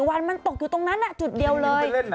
วันมันตกอยู่ตรงนั้นจุดเดียวเลย